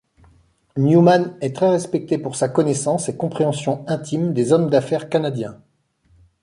Newman est très respecté pour sa connaissance et compréhension intime des hommes d'affaires canadiens.